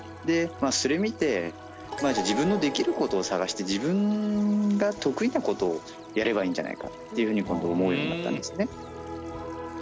でそれ見てまあじゃ自分のできることを探して自分が得意なことをやればいいんじゃないかっていうふうに今度思うようになったんですね。